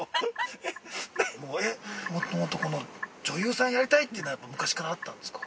◆もっともっと女優さんやりたいっていうのは昔からあったんですか。